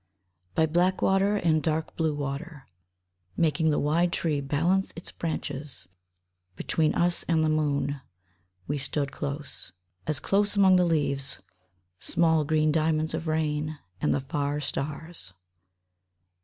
BY black water and dark blue water, Making the wide tree balance its branches Between us and the moon, We stood close. As close among the leaves Small green diamonds of rain And the far stars.